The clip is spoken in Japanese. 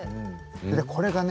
でこれがね